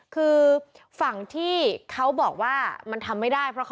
คือฝั่งที่เขาบอกว่ามันทำไม่ได้เพราะ